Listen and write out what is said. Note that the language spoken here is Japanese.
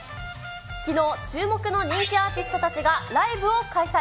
きのう、注目の人気アーティストたちがライブを開催。